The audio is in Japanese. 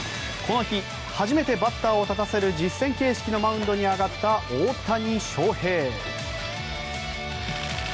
この日、初めてバッターを立たせる実戦形式のマウンドに上がった大谷翔平。